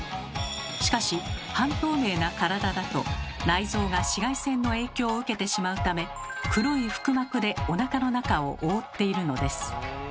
しかし半透明な体だと内臓が紫外線の影響を受けてしまうため黒い腹膜でおなかの中を覆っているのです。